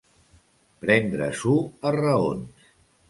Prendre-s'ho a raons.